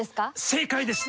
正解です！